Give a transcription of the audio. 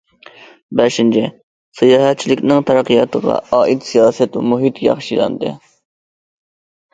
بەشىنچى، ساياھەتچىلىكنىڭ تەرەققىياتىغا ئائىت سىياسەت مۇھىتى ياخشىلاندى.